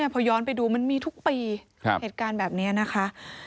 พอย้อนไปดูมันมีทุกปีเหตุการณ์แบบนี้นะคะ